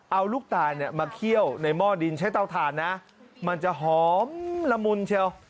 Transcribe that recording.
เอาลูกตาลเนี่ยมาเคี่ยวในหม้อดินใช้เตาถ่านนะมันจะหอมละมุนเชียว